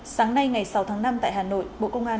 sáng nay ngày sáu tháng năm tại hà nội bộ công an